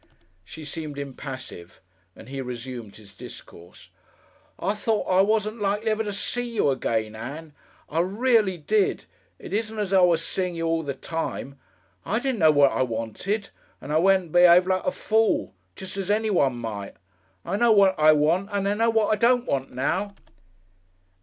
She seemed impassive and he resumed his discourse. "I thought I wasn't likely ever to see you again, Ann. I reely did. It isn't as though I was seein' you all the time. I didn't know what I wanted, and I went and be'aved like a fool jest as anyone might. I know what I want and I know what I don't want now."